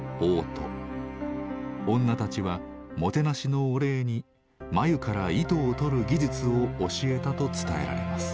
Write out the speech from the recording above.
女たちはもてなしのお礼に繭から糸をとる技術を教えたと伝えられます。